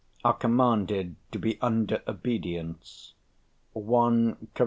are commanded to be under obedience" (1 Cor.